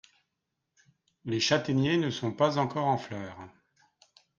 Les châtaigniers ne sont pas encore en fleur.